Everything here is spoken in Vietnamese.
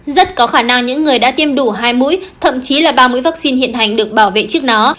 rất có khả năng những người đã tiêm đủ hai mũi thậm chí là ba mũi vaccine hiện hành được bảo vệ trước nó